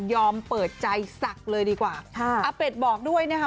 เปิดใจศักดิ์เลยดีกว่าค่ะอาเป็ดบอกด้วยนะคะ